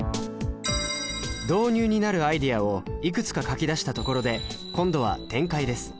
導入になるアイデアをいくつか書き出したところで今度は展開です。